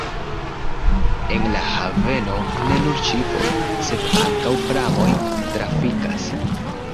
En la haveno ne nur ŝipoj, sed ankaŭ pramoj trafikas.